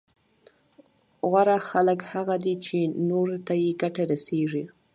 غوره خلک هغه دي چي نورو ته يې ګټه رسېږي